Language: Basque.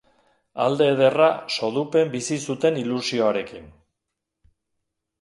Alde ederra Sodupen bizi zuten ilusioarekin.